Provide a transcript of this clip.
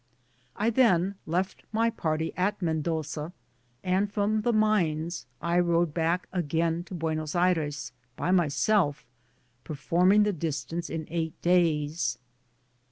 I then left my party at Mendoza, aqd from the Mines I rode back again to Buenos Aires by myself, performing the distance in eight days.